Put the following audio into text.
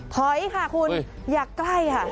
ถอยค่ะคุณอย่าใกล้ค่ะ